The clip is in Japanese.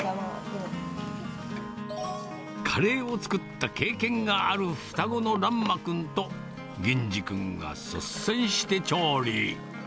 カレーを作った経験がある、双子の蘭真君と銀侍君が率先して調理。